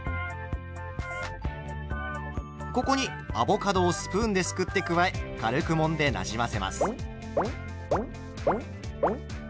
ここにアボカドをスプーンですくって加え軽くもんでなじませます。